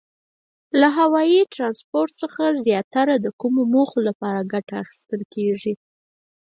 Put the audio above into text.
له هوایي ترانسپورت څخه زیاتره د کومو موخو لپاره ګټه اخیستل کیږي؟